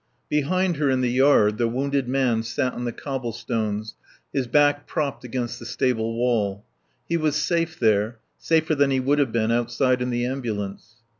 Behind her in the yard the wounded man sat on the cobblestones, his back propped against the stable wall. He was safe there, safer than he would have been outside in the ambulance.